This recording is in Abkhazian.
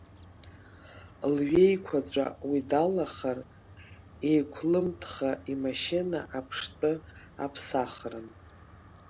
Лҩеиқәаҵәа уи далахар еиқәлымтха имашьына аԥштәы аԥсахрын.